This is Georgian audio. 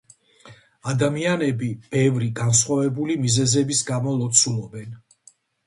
ადამიანები ბევრი, განსხვავებული მიზეზების გამო ლოცულობენ.